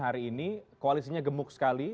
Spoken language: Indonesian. hari ini koalisinya gemuk sekali